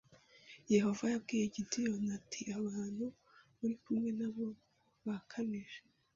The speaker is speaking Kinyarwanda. Yehova yabwiye Gideyoni ati ‘abantu uri kumwe na bo bakabije